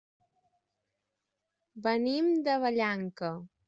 Venim de Vallanca.